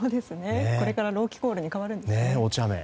これから朗希コールに変わるんですかね。